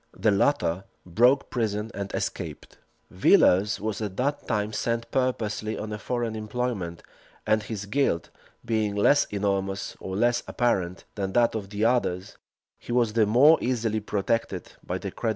The latter broke prison and escaped. Villiers was at that time sent purposely on a foreign employment; and his guilt, being less enormous, or less apparent, than that of the others, he was the more easily protected by the credit of his brother Buckingham.